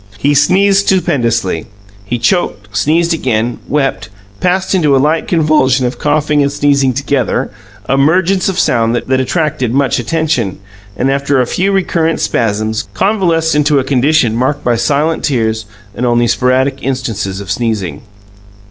He sneezed stupendously; he choked, sneezed again, wept, passed into a light convulsion of coughing and sneezing together a mergence of sound that attracted much attention and, after a few recurrent spasms, convalesced into a condition marked by silent tears and only sporadic instances of sneezing.